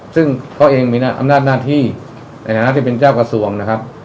ซึ่งเขาเองมีอำนาจหน้าที่ในฐานะที่เป็นเจ้ากระทรวงนะครับ